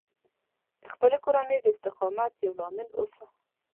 د خپلې کورنۍ د استقامت یو لامل اوسه